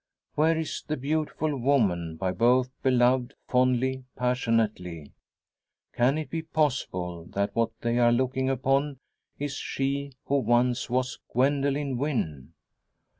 Where is the beautiful woman, by both beloved, fondly, passionately? Can it be possible, that what they are looking upon is she who once was Gwendoline Wynn?